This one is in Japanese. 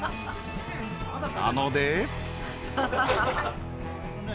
［なので］